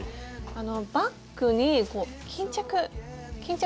バッグに巾着巾着。